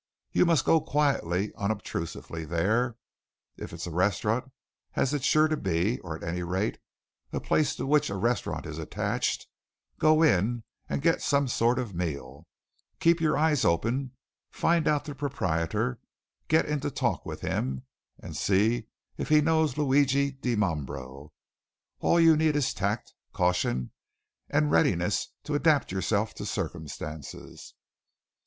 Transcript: You must go quietly, unobtrusively, there; if it's a restaurant, as it's sure to be, or at any rate, a place to which a restaurant is attached, go in and get some sort of a meal, keep your eyes open, find out the proprietor, get into talk with him, see if he knows Luigi Dimambro. All you need is tact, caution, and readiness to adapt yourself to circumstances."